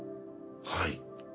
はい。